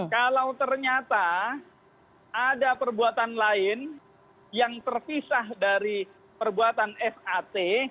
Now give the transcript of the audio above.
kalau ternyata ada perbuatan lain yang terpisah dari perbuatan sat